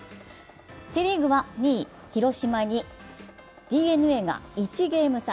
セ・リーグは２位・広島にＤｅＮＡが１ゲーム差。